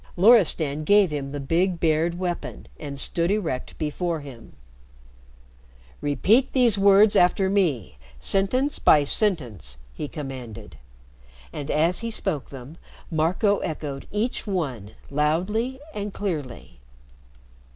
Loristan gave him the big bared weapon, and stood erect before him. "Repeat these words after me sentence by sentence!" he commanded. And as he spoke them Marco echoed each one loudly and clearly.